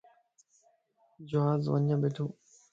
جواز وڃ ٻيڻھو